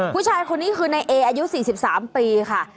ผู้ชายคนนี้คือนายเออายุ๔๓ปีค่ะ